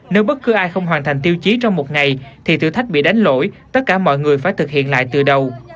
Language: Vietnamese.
nếu bất cứ ai không hoàn thành tiêu chí trong một ngày thì thử thách bị đánh lỗi tất cả mọi người phải thực hiện lại từ đầu